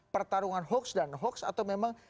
pertarungan hoax dan hoax atau memang